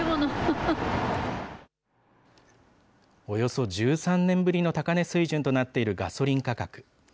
およそ１３年ぶりの高値水準となっているガソリン価格。